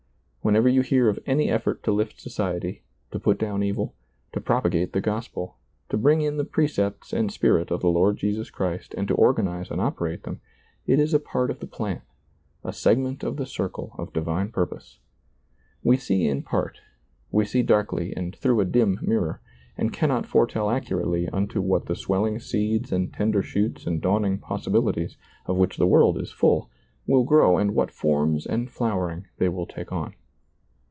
Whenever you hear of any effort to lift society, to put down evil, to propagate the Gospel, to bring in the precepts and spirit of the Lord Jesus Christ and to organize ^lailizccbvGoOgle 30 SEEING DARKLY and operate them, it is a part of the plan, a seg ment of the circle of Divine Purpose. We see in part, we see darkly and through a dim mirror, and cannot foretell accurately unto what the sweUing seeds and tender shoots and dawning possibilities, of which the world is full, will grow and what forms and flowering they will take on.